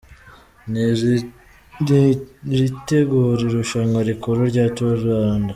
ni iritegura irushanwa rikuru rya Tour du Rwanda.